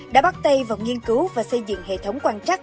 đã bắt tay vào nghiên cứu và xây dựng hệ thống quan trắc